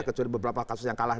kecuali beberapa kasus yang kalah